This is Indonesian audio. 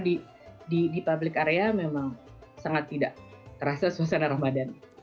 karena di public area memang sangat tidak terasa suasana ramadhan